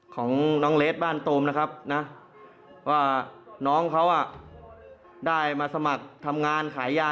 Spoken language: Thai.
ของน้องเรสบ้านตูมนะครับนะว่าน้องเขาได้มาสมัครทำงานขายยา